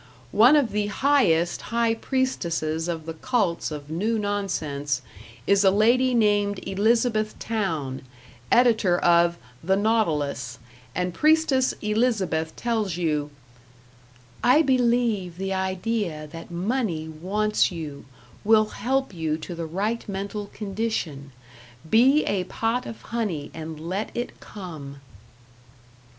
One of the highest high priestesses of the cults of New Nonsense is a lady named Elizabeth Towne, editor of "The Nautilus"; and Priestess Elizabeth tells you: I believe the idea that money wants you will help you to the right mental condition. Be a pot of honey and let it come.